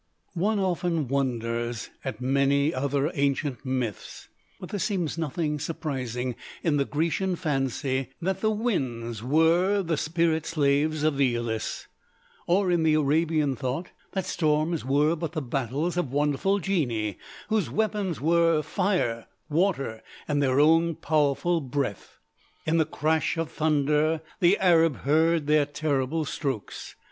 One often wonders at many other ancient myths; but there seems nothing surprising in the Grecian fancy that the winds were the spirit slaves of Æolus; or in the Arabian thought, that storms were but the battles of wonderful genii, whose weapons were fire, water, and their own powerful breath. In the crash of the thunder the Arab heard their terrible strokes.